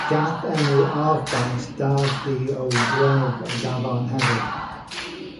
Gall enw “arfbais” darddu o dref y dafarn hefyd.